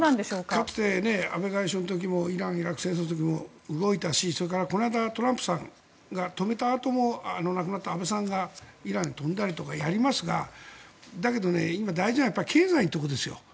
かつて安倍外相の時もイラン・イラク戦争の時も動いたしこの間トランプさんが止めたあとも亡くなった安倍さんがイランに飛んだりとかありますが今、大事なのは経済ですよ。